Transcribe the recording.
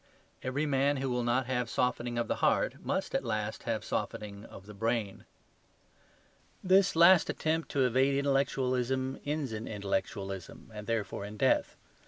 Every man who will not have softening of the heart must at last have softening of the brain. This last attempt to evade intellectualism ends in intellectualism, and therefore in death.